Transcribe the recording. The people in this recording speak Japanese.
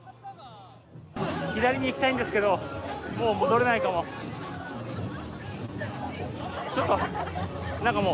左に行きたいんですけど、もう戻れないかも。